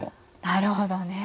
なるほどね。